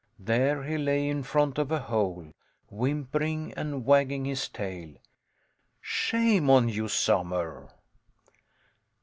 There he lay in front of a hole, whimpering and wagging his tail. Shame on you, Samur!